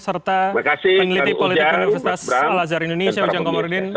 serta peneliti politik universitas al azhar indonesia ujang komarudin